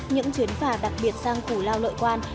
những chuyến phà đặc biệt sang củ lao lợi quan